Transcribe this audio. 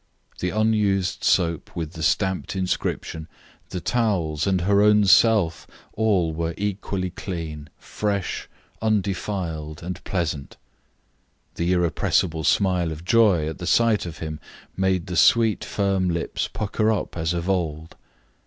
The unused soap with the stamped inscription, the towels, and her own self, all were equally clean, fresh, undefiled and pleasant. The irrepressible smile of joy at the sight of him made the sweet, firm lips pucker up as of old.